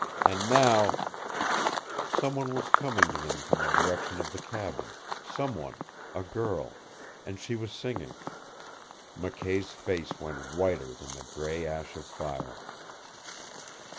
And now " Someone was coming to them from the direction of the cabin someone, a girl, and she was singing, McKay's face went whiter than the gray ash of fire.